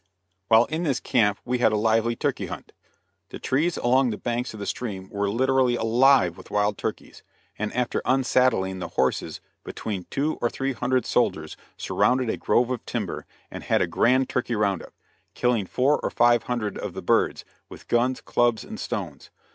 While in this camp we had a lively turkey hunt. The trees along the banks of the stream were literally alive with wild turkeys, and after unsaddling the horses between two and three hundred soldiers surrounded a grove of timber and had a grand turkey round up, killing four or five hundred of the birds, with guns, clubs and stones.